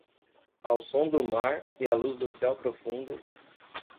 Ao som do mar e à luz do céu profundo